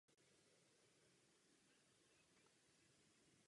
K jeho přátelům tam patřili malíři František Hlavatý a Otto Peters.